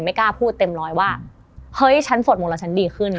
กล้าพูดเต็มร้อยว่าเฮ้ยฉันสวดมนต์แล้วฉันดีขึ้น